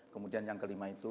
kemudian yang kelima itu